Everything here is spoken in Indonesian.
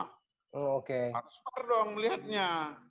harus fair dong melihatnya